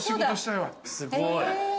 すごい。